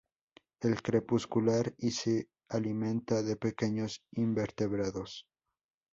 Es crepuscular y se alimenta de pequeños invertebrados.